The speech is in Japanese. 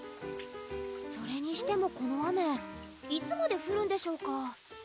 それにしてもこの雨いつまでふるんでしょうか？